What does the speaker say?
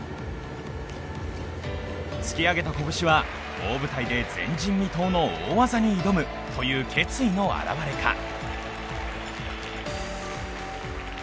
突き上げた拳は、大舞台で前人未到の大技に挑むという決意の表れか。